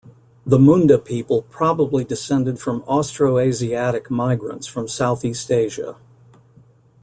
The Munda people probably descended from Austroasiatic migrants from southeast Asia.